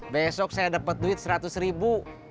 besok saya dapat duit seratus ribu